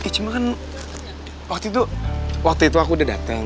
cuma kan waktu itu waktu itu aku udah dateng